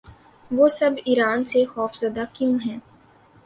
وہ سب ایران سے خوف زدہ کیوں ہیں؟